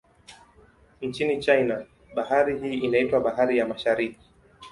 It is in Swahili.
Nchini China, bahari hii inaitwa Bahari ya Mashariki.